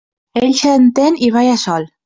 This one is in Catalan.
Ell s'entén i balla sol.